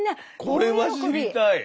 これは知りたい！